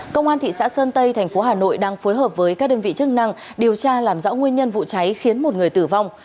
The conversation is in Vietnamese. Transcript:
công an thị xã sơn tây thành phố hà nội đang phối hợp với các đơn vị chức năng điều tra làm rõ nguyên nhân vụ cháy khiến một người tử vong